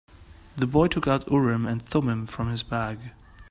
The boy took out Urim and Thummim from his bag.